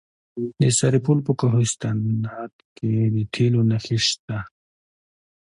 د سرپل په کوهستانات کې د تیلو نښې شته.